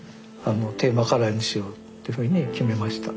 テーマカラーにしようって決めました。